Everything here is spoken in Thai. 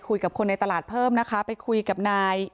คนนั้นพี่จะเป็นผู้ช่วย